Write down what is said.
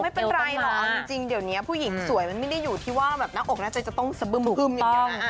ไม่เป็นไรหรอกจริงเดี๋ยวนี้ผู้หญิงสวยมันไม่ได้อยู่ที่ว่าแบบหน้าอกหน้าใจจะต้องสะบึมอย่างเดียวนะ